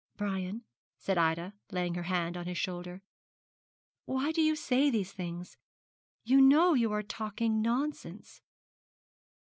'Brian,' said Ida, laying her hand on his shoulder, 'why do you say these things? You know you are talking nonsense.'